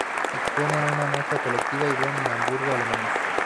Expone en una muestra colectiva en Bonn y en Hamburgo, Alemania.